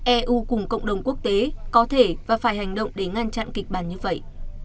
eu cùng cộng đồng quốc tế có thể và phải hành động để ngăn chặn kịch bản như vậy